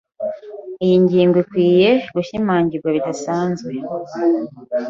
Iyi ngingo ikwiye gushimangirwa bidasanzwe.